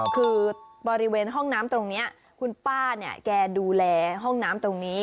คือบริเวณห้องน้ำตรงนี้คุณป้าเนี่ยแกดูแลห้องน้ำตรงนี้